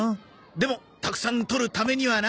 でもたくさん採るためにはな。